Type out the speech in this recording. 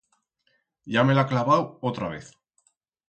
Ya me l'ha clavau otra vez.